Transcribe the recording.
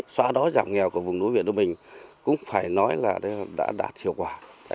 xóa đói giảm nghèo của vùng núi huyện đức bình cũng phải nói là đã đạt hiệu quả